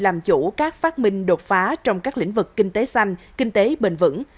làm chủ các phát minh đột phá trong các lĩnh vực kinh tế xanh kinh tế bền vững